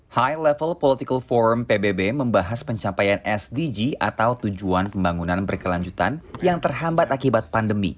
high level political forum pbb membahas pencapaian sdg atau tujuan pembangunan berkelanjutan yang terhambat akibat pandemi